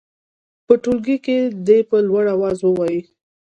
په ټولګي کې دې په لوړ اواز ووايي.